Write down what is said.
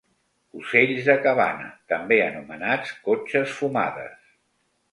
Ocells de cabana, també anomenats cotxes fumades.